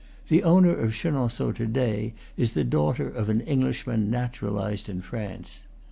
The owner of Chenonceaux to day is the daughter of an Englishman naturalized in France.